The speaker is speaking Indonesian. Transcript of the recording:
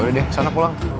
ya udah deh sana pulang